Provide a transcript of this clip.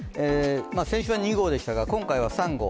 先週は２号でしたが今回は３号。